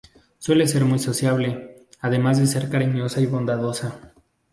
Suele ser muy sociable, además de ser cariñosa y bondadosa.